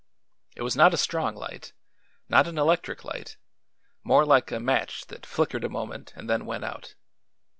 It was not a strong light; not an electric light; more like a match that flickered a moment and then went out.